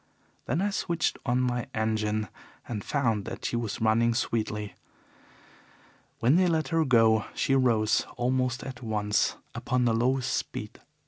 Then I switched on my engine and found that she was running sweetly. When they let her go she rose almost at once upon the lowest speed.